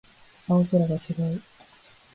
青空が違う